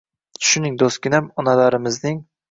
Tushuning, do’stginam, onalarimizning